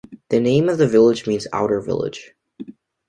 The name of the village means "outer village".